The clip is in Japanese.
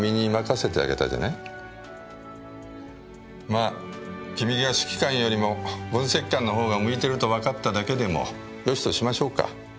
まあ君が指揮官よりも分析官の方が向いてるとわかっただけでもよしとしましょうか。